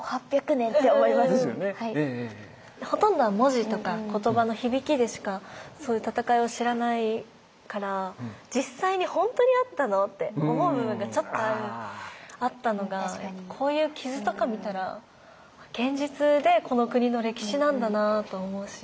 ほとんどは文字とか言葉の響きでしかそういう戦いを知らないから実際にほんとにあったの？って思う部分がちょっとあったのがこういう傷とか見たら現実でこの国の歴史なんだなと思うし。